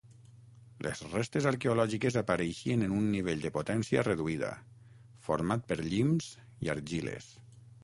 Les restes arqueològiques apareixien en un nivell de potència reduïda, format per llims i argiles.